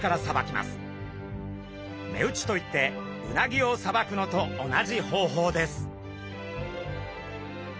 目打ちといってウナギをさばくのと同じ方法です。